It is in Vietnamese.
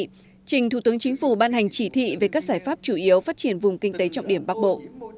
trình thủ tướng chính phủ ban hành chỉ thị về các giải pháp chủ yếu phát triển vùng kinh tế trọng điểm bắc bộ